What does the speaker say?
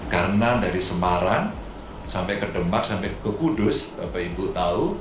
karena dari semarang sampai ke demak sampai ke kudus bapak ibu tahu